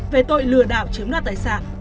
về tội lừa đảo chiếm đoạt tài sản